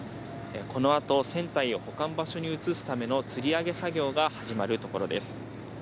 この後、船体を保管場所に移すためのつり上げ作業が始まるところです。